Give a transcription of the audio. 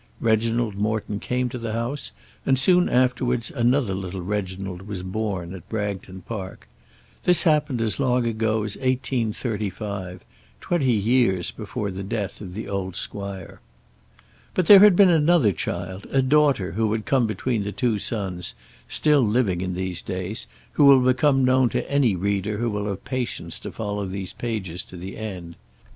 Reginald Morton came to the house, and soon afterwards another little Reginald was born at Bragton Park. This happened as long ago as 1835, twenty years before the death of the old squire. But there had been another child, a daughter, who had come between the two sons, still living in these days, who will become known to any reader who will have patience to follow these pages to the end.